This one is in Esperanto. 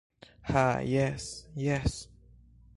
Ha jes... jes...